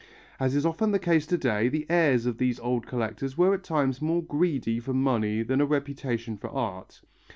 As is often the case to day, the heirs of these old collectors were at times more greedy for money than a reputation for art.